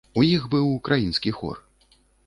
У іх быў украінскі хор.